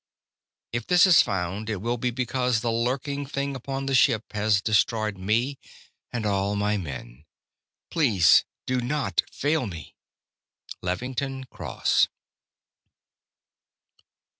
"If this is found, it will be because the lurking thing upon the ship has destroyed me and all my men. "Please do not fail me. Levington Cross."